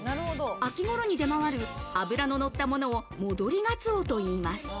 秋頃に出回る、脂ののったものを戻りがつおといいます。